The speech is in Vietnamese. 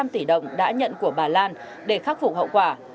năm tỷ đồng đã nhận của bà lan để khắc phục hậu quả